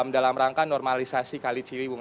dalam rangka normalisasi kalijiliwung